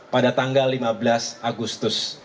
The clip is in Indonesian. pada tanggal lima belas agustus